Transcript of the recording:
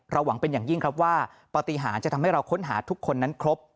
หวังเป็นอย่างยิ่งครับว่าปฏิหารจะทำให้เราค้นหาทุกคนนั้นครบ